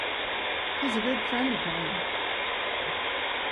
He's a good friend of mine.